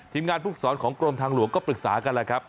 ทีมงานผู้สอนของกรมทางหลวงก็ปรึกษากันแหละครับ